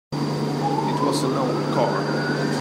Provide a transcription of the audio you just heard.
It was an old car.